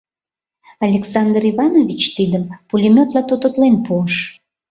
Александр Иванович тидым пулеметла тототлен пуыш.